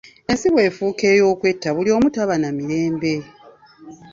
Ensi bw'efuuka ey'okwetta buli omu taba na Mirembe.